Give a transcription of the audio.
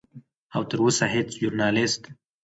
او تر اوسه هیڅ ژورنالست